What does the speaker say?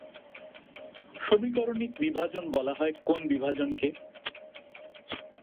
সমীকরনিক বিভাজন বলা হয় কোন বিভাজন কে?